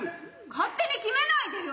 勝手に決めないでよ。